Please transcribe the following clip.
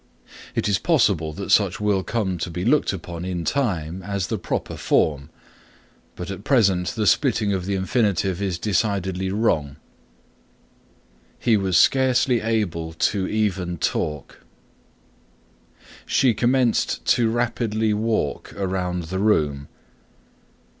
It is possible that such will come to be looked upon in time as the proper form but at present the splitting of the infinitive is decidedly wrong. "He was scarcely able to even talk" "She commenced to rapidly walk around the room."